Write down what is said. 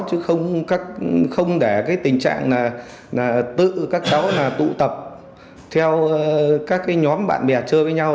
chứ không để cái tình trạng là tự các cháu tụ tập theo các cái nhóm bạn bè chơi với nhau